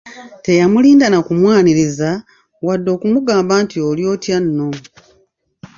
Teyamulinda nakumwaniriza, wadde okumugamba nti, “Oliyo otyanno?